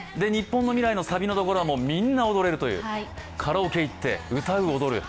サビのところはみんな踊れるという、カラオケに行って歌う、踊る。